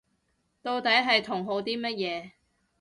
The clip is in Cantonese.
到底係同好啲乜嘢